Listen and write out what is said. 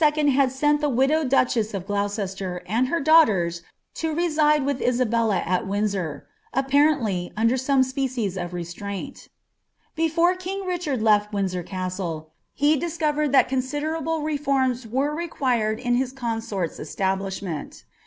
had eent the widowed duchess of GloDceMiraJ her daughters to reside wiiJi liiabella at Windsor; apfMrtatlj' nlff ■ome specie? of re^iraini. Before king Kichatd left Windsor Castle, he discoreml that cmmlti able reforms were required in his coiiaorl's establishment.